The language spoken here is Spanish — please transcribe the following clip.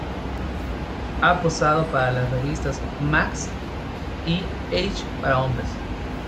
Ha posado para las revistas Max y H para hombres.